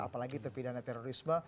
apalagi terpindahkan terorisme